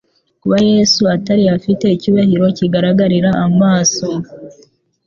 Kuba Yesu atari afite icyubahiro kigaragarira amaso,